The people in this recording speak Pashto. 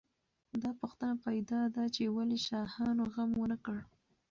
دا پوښتنه پیدا ده چې ولې شاهانو غم ونه کړ.